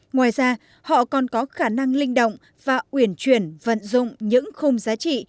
ngoài ra họ còn có khả năng linh động và uyển chuyển vận dụng những khung giá trị